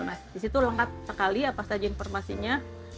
di situ lengkap sekali apa saja informasinya